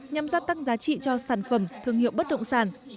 nhằm gia tăng giá trị cho sản phẩm thương hiệu bất động sản